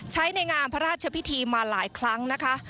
ในงามพระราชพิธีมาหลายครั้งนะคะ